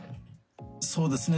そうですね。